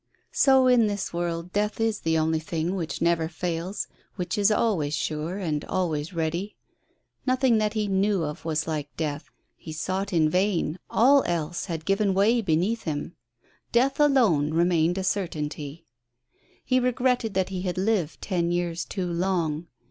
So in this world death is the only thing Avhich never fails, which is always sure and always ready. Nothing that he knew of was like death ; he sought in vain, all else had given way beneath him : death alone remained a certainty. He regretted that he had lived ten years too long.